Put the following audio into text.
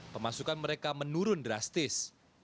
pemasukan mereka menurun drastis